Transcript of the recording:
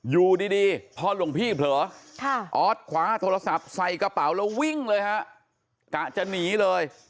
อยู่ดีพอหลวงพี่เผลออสคว้าโทรศัพท์ใส่กระเป๋าแล้ววิ่งเลยฮะกะจะหนีเลย